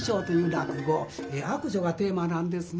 「悪女」がテーマなんですね。